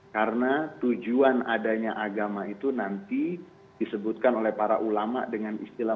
karena tujuan adanya agama itu nanti disebutkan oleh para ulama dengan istilah